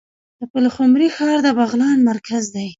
د پلخمري ښار د بغلان مرکز دی